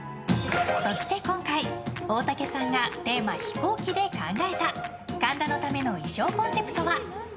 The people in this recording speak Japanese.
そして今回、大竹さんがテーマ飛行機で考えた神田のための衣装コンセプトは。